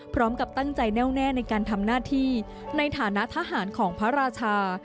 พร้อมกับตั้งใจแน่วแน่ในการทำหน้าที่ในฐานะทหารของพระราชา